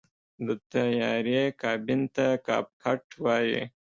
د طیارې کابین ته “کاکپټ” وایي.